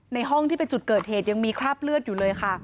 ในห้องที่เป็นจุดเกิดเหตุยังมีคราบเลือดอยู่เลยค่ะ